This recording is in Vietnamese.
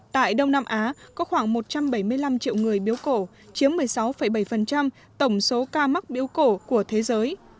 tại đông nam á có khoảng một trăm bảy mươi năm triệu người biếu cổ chiếm một mươi sáu bảy tổng số ca mắc biếu cổ của thế giới